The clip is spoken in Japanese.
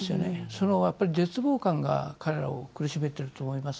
そのやっぱり絶望感が彼らを苦しめていると思います。